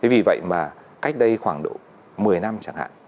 vì vậy mà cách đây khoảng độ một mươi năm chẳng hạn